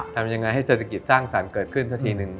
ทำยังไงให้เศรษฐกิจสร้างสรรค์เกิดขึ้นสักทีหนึ่ง